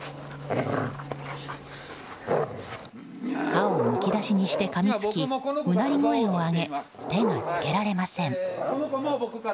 歯をむき出しにしてかみつきうなり声を上げ手が付けられません。